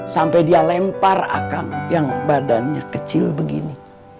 sampai dia lempar akan yang badannya kecil begini